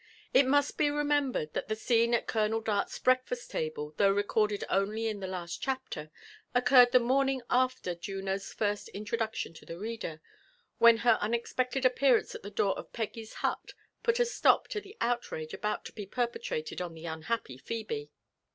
It must bo remembered thai the scene at Colonel Darl*s breakfast table, though recorded only in the last chapter, occurred the morning after Juno's first introduction to the reader, when her unexpected ap pearance at the door of Peggy's hut put a slop to the outrage about to be .perpetrated on the unhappy Phebe.